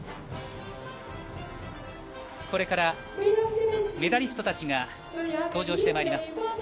これからメダリストたちが登場してまいります。